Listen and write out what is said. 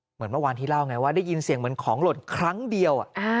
เหมือนเมื่อวานที่เล่าไงว่าได้ยินเสียงเหมือนของหล่นครั้งเดียว